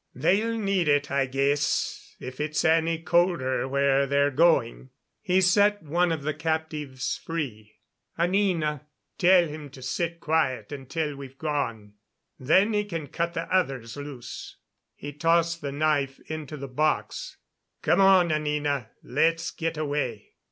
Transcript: "They'll need it, I guess, if it's any colder where they're going." He set one of the captives free. "Anina, tell him to sit quiet until we've gone. Then he can cut the others loose." He tossed a knife into the box. "Come on, Anina; let's get away."